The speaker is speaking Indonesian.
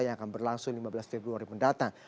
yang akan berlangsung lima belas februari mendatang